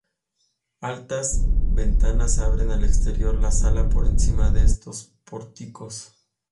Altas ventanas abren al exterior la sala por encima de estos pórticos.